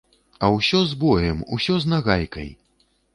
А ўсё з боем, ўсё з нагайкай.